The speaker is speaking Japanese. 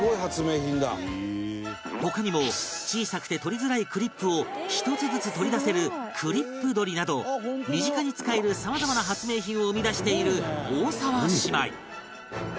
他にも小さくて取りづらいクリップを１つずつ取り出せるクリップ鳥など身近に使えるさまざまな発明品を生み出している大澤姉妹